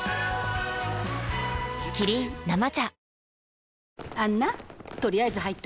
キリン「生茶」